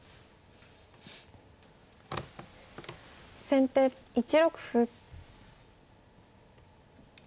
先手１六歩。